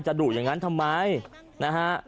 ดุอย่างนั้นทำไมนะฮะ